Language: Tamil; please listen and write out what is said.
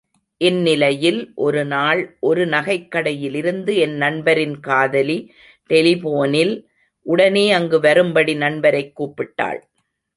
இந்நிலையில் ஒருநாள் ஒரு நகைக் கடையிலிருந்து என் நண்பரின் காதலி டெலிபோனில் உடனே அங்கு வரும்படி நண்பரைக் கூப்பிட்டாள்.